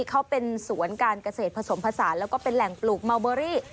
เขาเป็นสวนการเกษตรผสมผสานแล้วก็เป็นแหล่งปลูกเมาเบอรี่